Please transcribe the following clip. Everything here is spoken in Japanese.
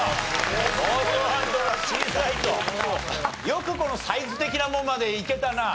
よくこのサイズ的なものまでいけたな。